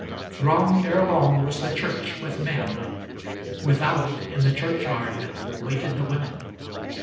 Thronged erelong was the church with men. Without, in the churchyard, Waited the women.